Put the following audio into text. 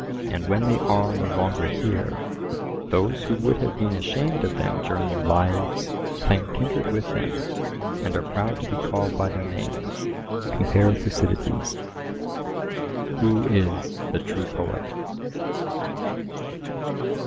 And when they are no longer here, those who would have been ashamed of them during their lives claim kindred with them, and are proud to be called by their names. (Compare Thucyd.) Who is the true poet?